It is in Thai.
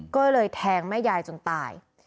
ก็เลยแทงแม่ยายจนตาย